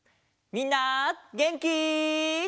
みんなげんき？